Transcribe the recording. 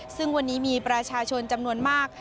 ซึ่งวันนี้มีประชาชนจำนวนมาก